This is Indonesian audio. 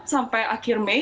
sampai akhir mei